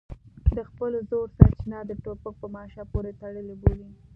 د خپل زور سرچینه د ټوپک په ماشه پورې تړلې بولي.